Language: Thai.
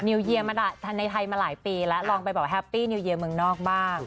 นิวเยียร์มาในไทยมาหลายปีละลองไปบอกแฮปปี้นิวเยียร์เมืองนอกบ้าง